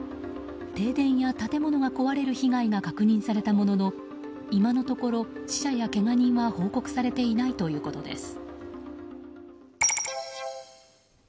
停電や建物が壊れる被害が確認されたものの今のところ死者やけが人は報告されていないということです。